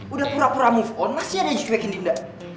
udah pura pura move on masih ada yang juga intindak